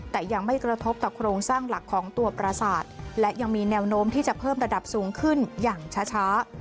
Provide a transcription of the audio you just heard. แต่ยังไม่กระทบต่อโครงสร้างหลักของตัวประสาทและยังมีแนวโน้มที่จะเพิ่มระดับสูงขึ้นอย่างช้า